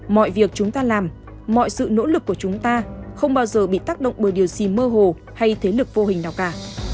mọi việc chúng ta làm mọi sự nỗ lực của chúng ta không bao giờ bị tác động bởi điều gì mơ hồ hay thế lực vô hình nào cả